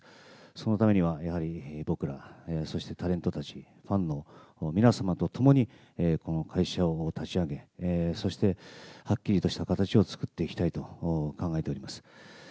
そのためには、やはり僕ら、そしてタレントたち、ファンの皆様とともにこの会社を立ち上げ、そしてはっきりとした形を作っていきたいと考えております。